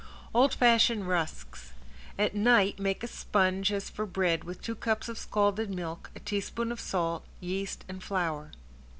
~OLD FASHION RUSKS~ At night make a sponge as for bread with two cups of scalded milk, a teaspoon of salt, yeast and flour.